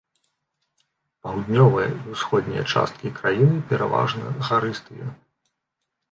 Паўднёвая і ўсходняя часткі краіны пераважна гарыстыя.